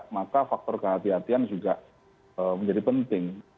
maka faktor kehatian juga menjadi penting